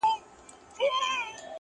زه کرۍ ورځ په درنو بارونو بار یم!!